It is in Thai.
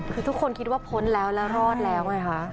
คือทุกคนคิดว่าพ้นแล้วแล้วรอดแล้วไงคะ